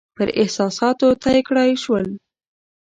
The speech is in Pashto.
پر احساساتو طی کړای شول.